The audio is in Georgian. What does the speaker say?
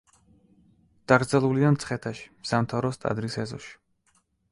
დაკრძალულია მცხეთაში, სამთავროს ტაძრის ეზოში.